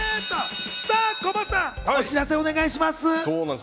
さぁ、コバさん、お知らせをお願いします。